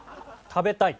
食べたい。